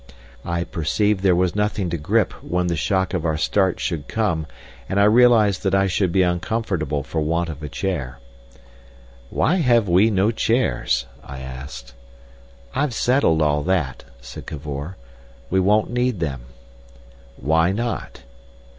I perceived there was nothing to grip when the shock of our start should come, and I realised that I should be uncomfortable for want of a chair. "Why have we no chairs?" I asked. "I've settled all that," said Cavor. "We won't need them." "Why not?"